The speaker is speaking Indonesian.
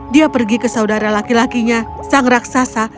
dia pergi ke saudara laki lakinya sang raksasa